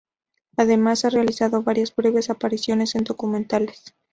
Además ha realizado varias breves apariciones en documentales.